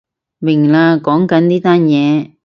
明喇，講緊呢單嘢